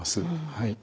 はい。